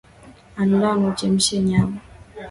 Andaa na uchemshe nyama